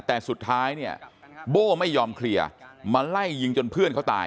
แต่สุดท้ายงั้นโบ้ไม่ยอมเคลียร์มาไล่ยิงจนผู้เค้าตาย